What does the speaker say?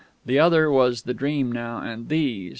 The other was the Dream now, and these!...